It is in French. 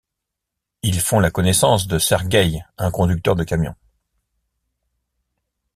Ils font la connaissance de Sergei, un conducteur de camion.